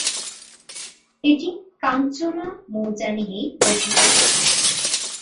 এটি "কাঞ্চনা" মৌজা নিয়েই গঠিত।